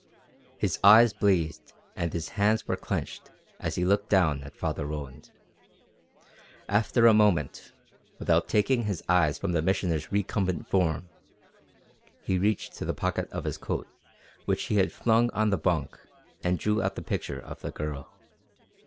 His eyes blazed and his hands were clenched as he looked down at Father Roland. After a moment, without taking his eyes from the Missioner's recumbent form, he reached to the pocket of his coat which he had flung on the bunk and drew out the picture of the Girl.